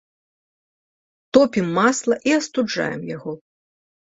Топім масла і астуджаем яго.